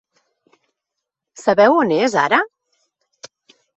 Sabeu on és ara?